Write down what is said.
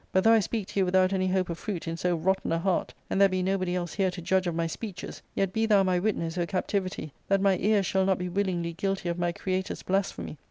But, though I speak to you without any hope of fruit in so rotten a heart, and there be nobody else here to judge of my speeches, yet be thou my witness, O cap tivity, that my ears shall not be willingly guilty of my Creator's blasphemy.